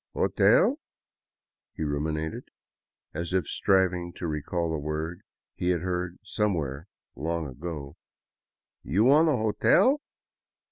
" Hotel ?" he ruminated, as if striving to recall a word he had heard somewhere long ago, " You want a hotel?